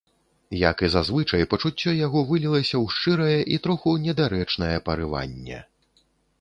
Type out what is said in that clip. Як і зазвычай, пачуццё яго вылілася ў шчырае і троху недарэчнае парыванне.